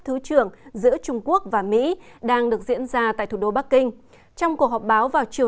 thứ trưởng giữa trung quốc và mỹ đang được diễn ra tại thủ đô bắc kinh trong cuộc họp báo vào chiều